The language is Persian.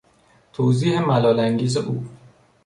توضیح ملالانگیز او